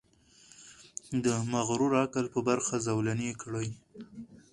د مغرور عقل په برخه زولنې کړي.